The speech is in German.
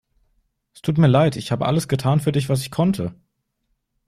Es tut mir leid, ich habe alles getan für dich was ich konnte.